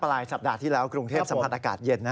ปลายสัปดาห์ที่แล้วกรุงเทพสัมผัสอากาศเย็น